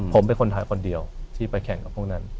ผมเป็นคนไทยคนเดียวที่ไปแข่งกับพวกนั้น